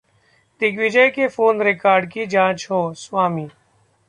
दिग्विजय के phone record की जांच हो: स्वामी